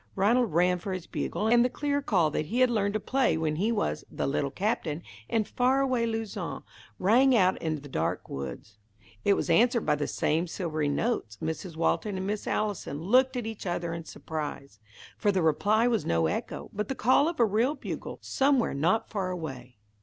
Ranald ran for his bugle, and the clear call that he had learned to play when he was "The Little Captain," in far away Luzon, rang out into the dark woods. It was answered by the same silvery notes. Mrs. Walton and Miss Allison looked at each other in surprise, for the reply was no echo, but the call of a real bugle, somewhere not far away.